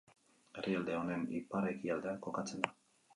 Herrialde honen ipar-ekialdean kokatzen da.